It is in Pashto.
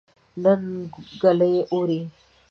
نن ګلۍ اوري